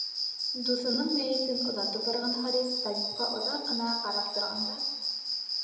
Дуҫының мәйетен оҙатып барған Харис табипҡа оҙаҡ ҡына ҡарап торған да: